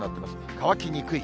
乾きにくい。